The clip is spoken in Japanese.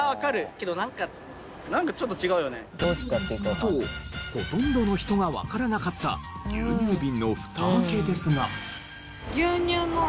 けどなんか。とほとんどの人がわからなかった牛乳瓶の蓋あけですが。